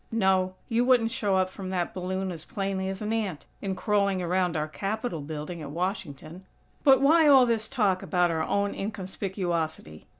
No. You wouldn't show up from that balloon as plainly as an ant, in crawling around our Capitol building at Washington. But why all this talk about our own inconspicuosity?